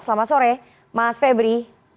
selamat sore mas febri